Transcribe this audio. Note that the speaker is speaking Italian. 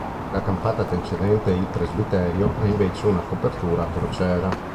La campata antecedente il presbiterio ha invece una copertura a crociera.